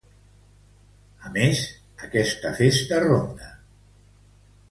A més, aquesta festa ronda a Petróleos.